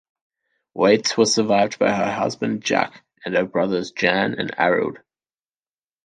Waitz was survived by her husband Jack and her brothers Jan and Arild.